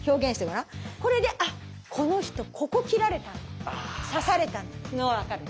これで「あこの人ここ斬られたんだ刺された」のが分かるね。